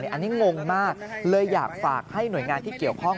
อันนี้งงมากเลยอยากฝากให้หน่วยงานที่เกี่ยวข้อง